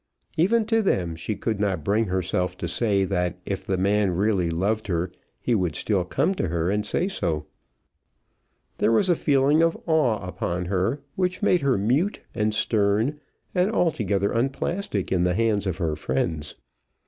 Even to them she could not bring herself to say that if the man really loved her he would still come to her and say so. There was a feeling of awe upon her which made her mute, and stern, and altogether unplastic in the hands of her friends.